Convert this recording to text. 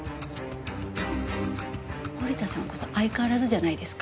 森田さんこそ相変わらずじゃないですか。